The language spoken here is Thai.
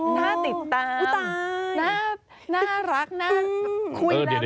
น่าติดตามน่ารักน่าคุย